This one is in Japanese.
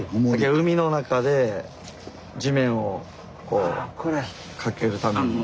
海の中で地面をこうかけるために。